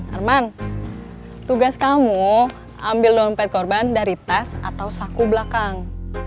arman tugas kamu ambil dompet korban dari tas atau saku belakang